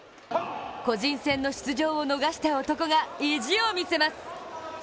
個人戦の出場を逃した男が意地を見せます。